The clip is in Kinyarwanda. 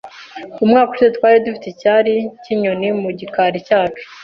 Umwaka ushize twari dufite icyari cyinyoni mu gikari cyacu.